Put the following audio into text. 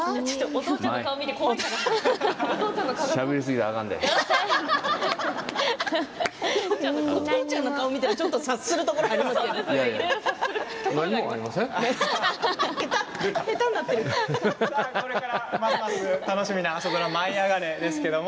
お父ちゃんの顔を見たら察するところがありますけど。